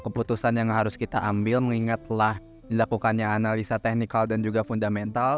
keputusan yang harus kita ambil mengingat telah dilakukannya analisa teknikal dan juga fundamental